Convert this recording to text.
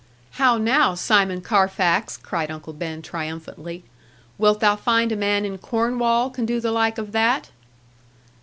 'How now, Simon Carfax?' cried Uncle Ben triumphantly; 'wilt thou find a man in Cornwall can do the like of that?'